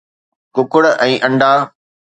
ڪڪڙ ۽ انڊا